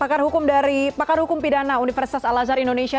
pakar hukum dari pakar hukum pidana universitas al azhar indonesia